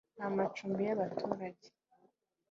nta macumbi y’abaturage